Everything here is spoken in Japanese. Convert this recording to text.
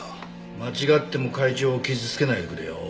間違っても会長を傷つけないでくれよ。